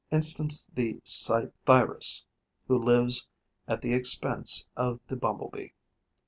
Instance the Psithyrus, who lives at the expense of the Bumble bee.